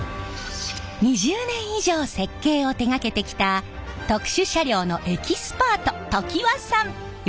２０年以上設計を手がけてきた特殊車両のエキスパート常盤さん！